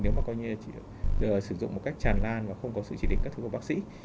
nếu mà coi như sử dụng một cách tràn lan và không có sự chỉ định các thứ của bác sĩ